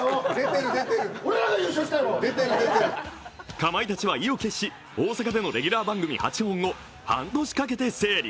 かまいたちは意を決し、大阪でのレギュラー番組８本を半年間かけて整理。